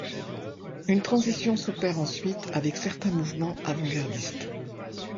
Une transition s’opère ensuite avec certains mouvements avant-gardistes.